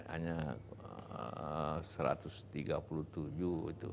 hanya satu ratus tiga puluh tujuh itu